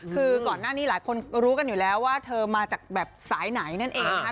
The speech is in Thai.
คือก่อนหน้านี้หลายคนรู้กันอยู่แล้วว่าเธอมาจากแบบสายไหนนั่นเองนะคะ